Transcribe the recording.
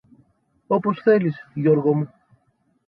Όπως θέλεις, Γιώργο μου.